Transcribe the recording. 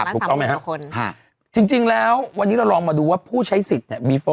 ถูกต้องไหมครับจริงแล้ววันนี้เราลองมาดูว่าผู้ใช้สิทธิ์เนี่ย